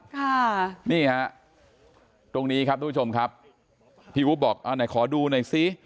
ค่ะนี่ฮะตรงนี้ครับทุกผู้ชมครับพี่อุ๊บบอกอ่าไหนขอดูหน่อยซิ